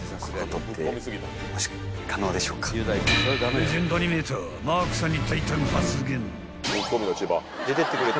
［レジェンドアニメーターマークさんに］